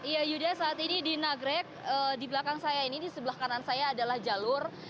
ya yuda saat ini di nagrek di belakang saya ini di sebelah kanan saya adalah jalur